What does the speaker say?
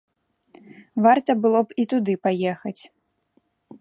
Варта было б і туды паехаць.